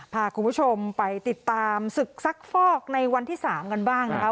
พาคุณผู้ชมไปติดตามศึกซักฟอกในวันที่๓กันบ้างนะครับ